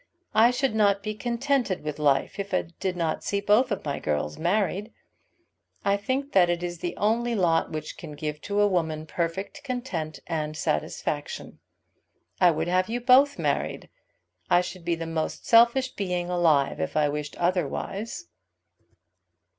I should not be contented with life if I did not see both my girls married. I think that it is the only lot which can give to a woman perfect content and satisfaction. I would have you both married. I should be the most selfish being alive if I wished otherwise."